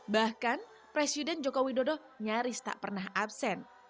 bahkan presiden joko widodo nyaris tak pernah absen